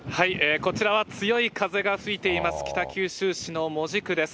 こちらは強い風が吹いています、北九州市の門司区です。